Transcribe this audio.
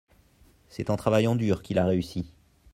C’est en travaillant dur qu’il a réussi.